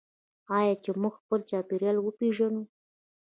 آیا چې موږ خپل چاپیریال وپیژنو؟